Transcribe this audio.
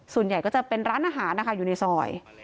ส่วนใหญ่ก็จะเป็นร้านอาหารนะคะอยู่ในซอย